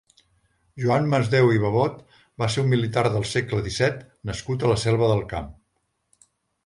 Joan Masdeu i Babot va ser un militar del segle disset nascut a la Selva del Camp.